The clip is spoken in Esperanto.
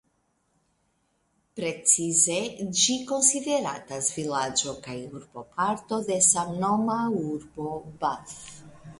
Precize ĝi konsideratas vilaĝo kaj urboparto de samnoma urbo "Bath".